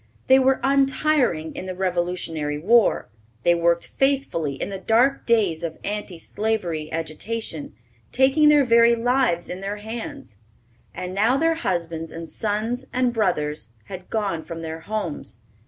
They were untiring in the Revolutionary War; they worked faithfully in the dark days of anti slavery agitation, taking their very lives in their hands. And now their husbands and sons and brothers had gone from their homes.